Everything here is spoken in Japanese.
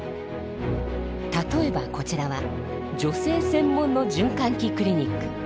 例えばこちらは女性専門の循環器クリニック。